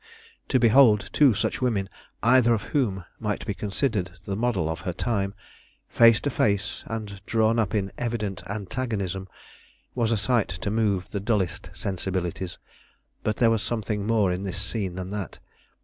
To behold two such women, either of whom might be considered the model of her time, face to face and drawn up in evident antagonism, was a sight to move the dullest sensibilities. But there was something more in this scene than that.